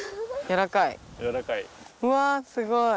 うわすごい！